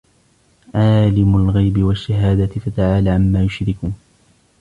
عالم الغيب والشهادة فتعالى عما يشركون